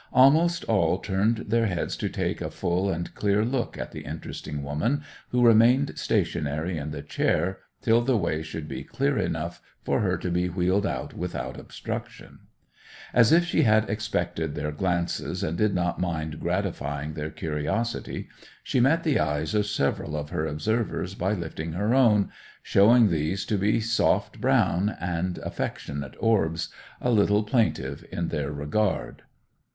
Almost all turned their heads to take a full and near look at the interesting woman, who remained stationary in the chair till the way should be clear enough for her to be wheeled out without obstruction. As if she expected their glances, and did not mind gratifying their curiosity, she met the eyes of several of her observers by lifting her own, showing these to be soft, brown, and affectionate orbs, a little plaintive in their regard.